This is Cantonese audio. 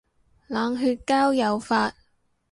冷血交友法